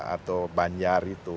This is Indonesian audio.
atau banyar itu